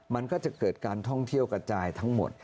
มันก็จะเกิดการท่องเที่ยวกระจายทั้งหมด